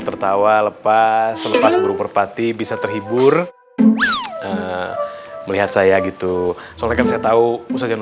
tertawa lepas selepas burung merpati bisa terhibur melihat saya gitu soalnya kan saya tahu misalnya